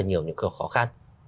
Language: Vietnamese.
nhiều những khó khăn